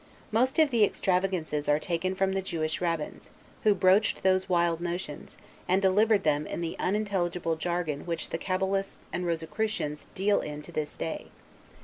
Most of the extravagances are taken from the Jewish Rabbins, who broached those wild notions, and delivered them in the unintelligible jargon which the Caballists and Rosicrucians deal in to this day.